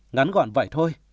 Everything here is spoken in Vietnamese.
ngắn gọn vậy thôi